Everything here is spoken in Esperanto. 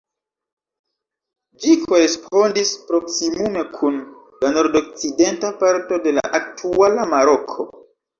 Ĝi korespondis proksimume kun la nordokcidenta parto de la aktuala Maroko.